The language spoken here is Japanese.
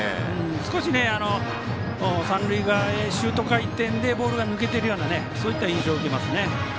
少し三塁側へシュート回転でボールが抜けているようなそういった印象を受けますね。